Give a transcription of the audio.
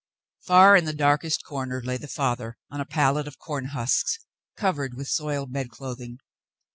Far in the darkest corner lay the father on a pallet of corn husks covered with soiled bedclothing.